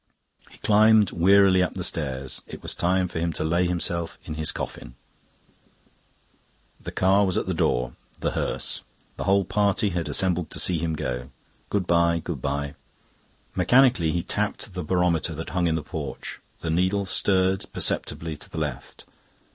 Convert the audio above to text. He climbed wearily up the stairs. It was time for him to lay himself in his coffin. The car was at the door the hearse. The whole party had assembled to see him go. Good bye, good bye. Mechanically he tapped the barometer that hung in the porch; the needle stirred perceptibly to the left.